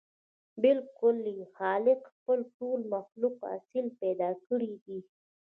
بلکې خالق خپل ټول مخلوق اصيل پيدا کړي دي.